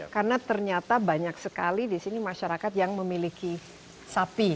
karena ternyata banyak sekali di sini masyarakat yang memiliki sapi